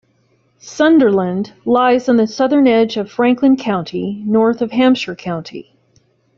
Sunderland lies on the southern edge of Franklin County, north of Hampshire County.